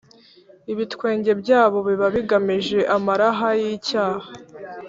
ibitwenge byabo biba bigamije amaraha y’icyaha.